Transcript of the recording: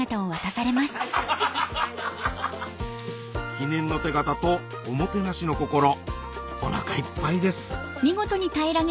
記念の手形とおもてなしの心おなかいっぱいです